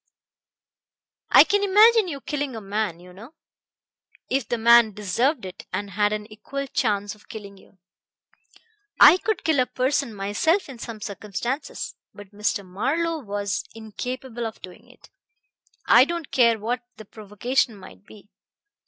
I can imagine you killing a man, you know ... if the man deserved it and had an equal chance of killing you. I could kill a person myself in some circumstances. But Mr. Marlowe was incapable of doing it. I don't care what the provocation might be.